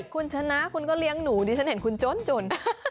คุณชนะคุณก็เลี้ยงหนูดิฉันเห็นคุณจน